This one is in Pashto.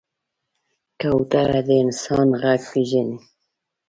کوتره د انسان غږ پېژني.